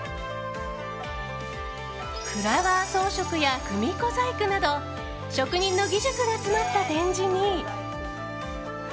フラワー装飾や組子細工など職人の技術が詰まった展示に。